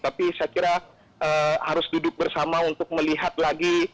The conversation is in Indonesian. tapi saya kira harus duduk bersama untuk melihat lagi